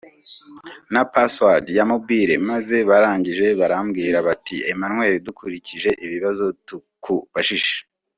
na Password ya mobile maze barangije barambwira bati ’’Emmanuel dukurikije ibibazo tukubajije